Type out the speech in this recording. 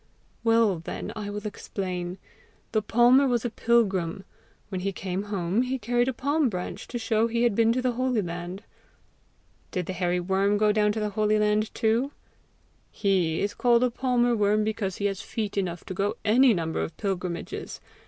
"Well, then, I will explain. The palmer was a pilgrim: when he came home, he carried a palm branch to show he had been to the holy land." "Did the hairy worm go to the holy land too?" "He is called a palmer worm because he has feet enough to go any number of pilgrimages.